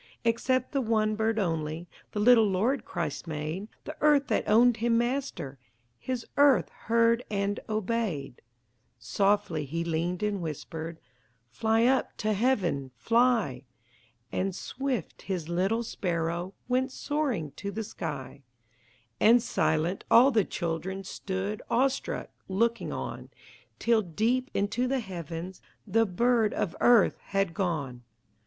Except the one bird only The little Lord Christ made; The earth that owned Him Master, His earth heard and obeyed. Softly He leaned and whispered: "Fly up to Heaven! Fly!" And swift, His little sparrow Went soaring to the sky, And silent, all the children Stood, awestruck, looking on, Till, deep into the heavens, The bird of earth had gone.